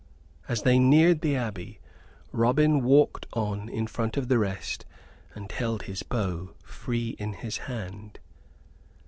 As they neared the Abbey Robin walked on in front of the rest and held his bow free in his hand.